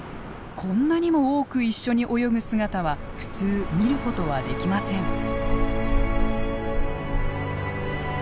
こんなにも多く一緒に泳ぐ姿は普通見ることはできません。